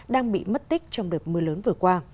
đang bị mất tích trong đợt mưa lớn vừa qua